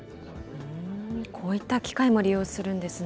こういった機会も利用するんですね。